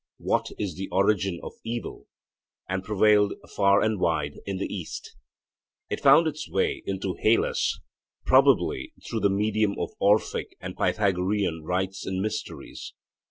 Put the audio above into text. What is the origin of evil?' and prevailed far and wide in the east. It found its way into Hellas probably through the medium of Orphic and Pythagorean rites and mysteries.